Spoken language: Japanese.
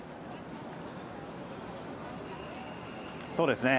そうですね。